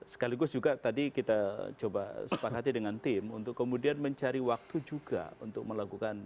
sekaligus juga tadi kita coba sepakati dengan tim untuk kemudian mencari waktu juga untuk melakukan